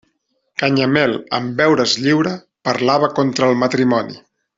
Canyamel, en veure's lliure, parlava contra el matrimoni.